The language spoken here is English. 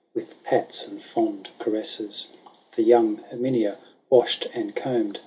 With pats and fond caresses. The young Herminia washed and combed.